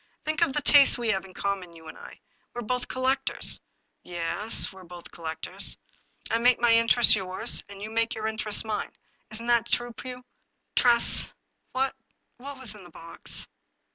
Think of the tastes we have in common, you and I. We're both collectors." " Ye es, we're both collectors." " I make my interests yours, and you make your inter ests mine. Isn't that so, Pugh ?"" Tress, what — ^what was in the box